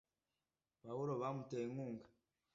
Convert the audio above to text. Pawulo bamuteye inkunga.